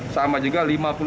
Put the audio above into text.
sama juga lima puluh